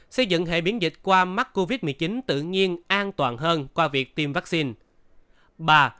xây dựng hệ biến dịch qua mắc covid một mươi chín tự nhiên an toàn hơn qua việc tiêm vaccine